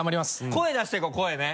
声出していこう声ね。